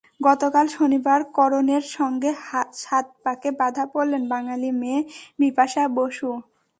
গতকাল শনিবার করণের সঙ্গে সাত পাকে বাঁধা পড়লেন বাঙালি মেয়ে বিপাশা বসু।